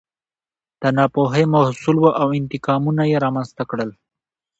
د ناپوهۍ محصول و او انتقامونه یې رامنځته کړل.